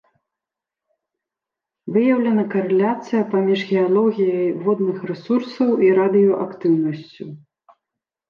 Выяўлена карэляцыя паміж геалогіяй водных рэсурсаў і радыеактыўнасцю.